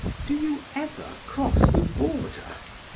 Do you ever cross the border?